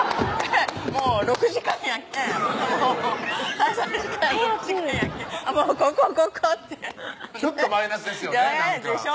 もう６時間やけん滞在時間６時間やけん「もうここここ！」ってちょっとマイナスですよねねぇでしょ？